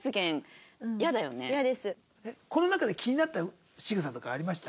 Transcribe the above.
この中で気になったしぐさとかありました？